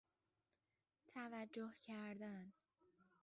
توجه کردن